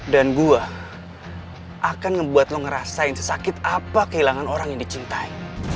dan gue akan ngebuat lo ngerasain sesakit apa kehilangan orang yang dicintai